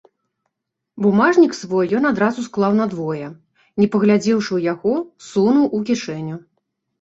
Бумажнік свой ён адразу склаў надвое, не паглядзеўшы ў яго, сунуў у кішэню.